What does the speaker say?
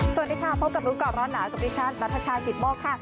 สวัสดีค่ะพบกับรู้ก่อนร้อนหนาวกับดิฉันนัทชายกิตโมกค่ะ